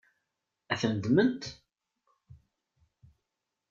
Ad ten-ddment?